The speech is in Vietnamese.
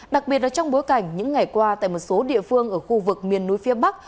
đặc biệt là trong bối cảnh những ngày qua tại một số địa phương ở khu vực miền núi phía bắc